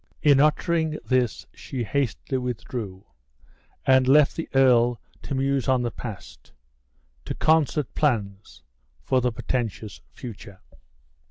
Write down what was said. In uttering this she hastily withdrew, and left the earl to muse on the past to concert plans for the portentous future.